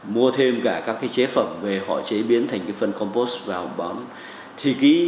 mua thêm cả các chế phẩm về họ chế biến thành phần compost